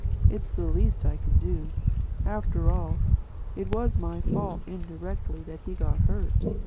It's the least I can do. After all, it was my fault, indirectly, that he got hurt."